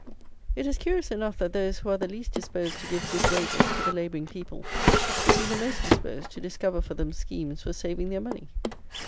It is curious enough that those who are the least disposed to give good wages to the labouring people, should be the most disposed to discover for them schemes for saving their money!